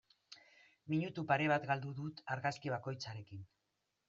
Minutu pare bat galdu dut argazki bakoitzarekin.